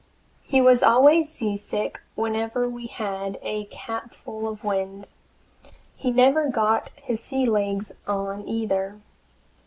He was always seasick whenever we had a capful of wind. He never got his sea legs on, either.